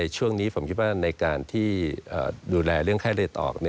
ช่วงนี้ผมคิดว่าในการที่ดูแลเรื่องไข้เลือดออก